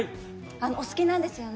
お好きなんですよね？